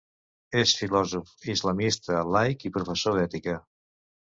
És filòsof islamista laic i professor d'ètica.